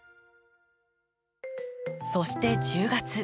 そして１０月。